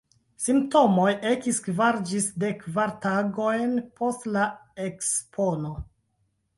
Simptomoj ekis kvar ĝis dekkvar tagojn post la ekspono.